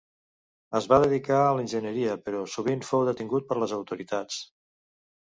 Es va dedicar a l'enginyeria però sovint fou detingut per les autoritats.